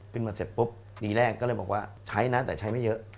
เสร็จปุ๊บปีแรกก็เลยบอกว่าใช้นะแต่ใช้ไม่เยอะ